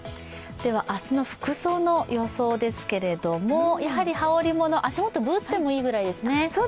明日の服装の予想ですけれども、やはり羽織物、足元、ブーツでもいいくらいですね。